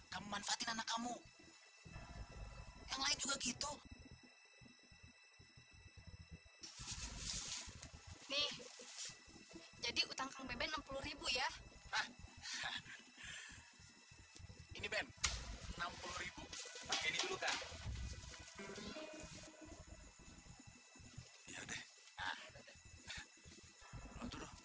kemanfaatin anak kamu yang lain juga gitu nih jadi utang kang beben rp enam puluh ya ini ben enam puluh